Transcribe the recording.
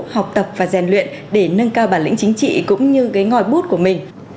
học tập và rèn luyện để nâng cao bản lĩnh chính trị cũng như cái ngòi bút của mình